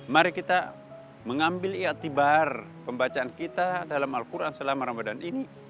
mari kita mengambil iatibar pembacaan kita dalam al quran selama ramadhan ini